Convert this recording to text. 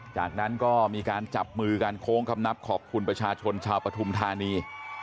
จากนั้นก็มีการจับมือกันโค้งคำนับขอบคุณประชาชนชาวปฐุมธานี